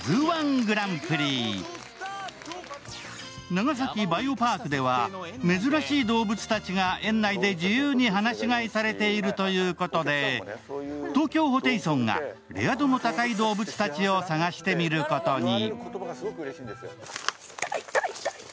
長崎バイオパークでは珍しい動物たちが園内で自由に放し飼いされているということで東京ホテイソンがレア度の高い動物たちを探してみることに。